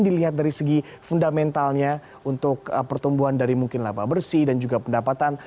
dilihat dari segi fundamentalnya untuk pertumbuhan dari mungkin laba bersih dan juga pendapatan